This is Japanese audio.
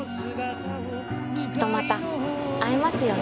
きっとまた会えますよね？